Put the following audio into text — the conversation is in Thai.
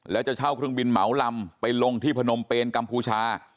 แล้วจะเช่าเครื่องบินเหมาลำไปลงที่พนมเปนกัมพูชา